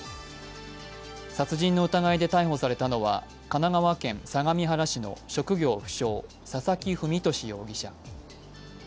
殺人の疑いで逮捕されたのは神奈川県相模原市の職業不詳・佐々木文俊